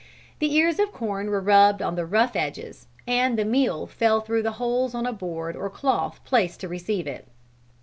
The ears of corn were rubbed on the rough edges, and the meal fell through the holes on a board or cloth placed to receive it.